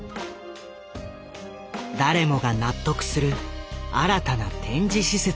誰もが納得する新たな展示施設を。